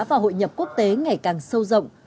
và hội nhập quốc tế ngày càng sâu rộng